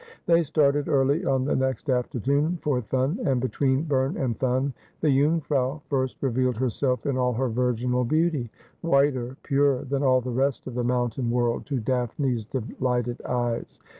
They started early on the next afternoon for Thun, and between Berne and Thun the Jungfrau first revealed herself in all her virginal beauty — whiter, purer than all the rest of the mountain world — to Daphne's delighted eyes.